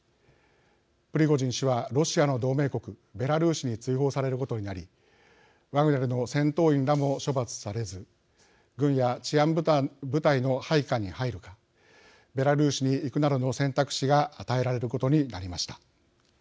プリゴジン氏はロシアの同盟国ベラルーシに追放されることになりワグネルの戦闘員らも処罰されず軍や治安部隊の配下に入るかベラルーシに行くなどの選択肢が与えられることになりました。